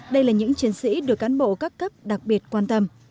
đây là những chiến sĩ được cán bộ các cấp đặc biệt quan tâm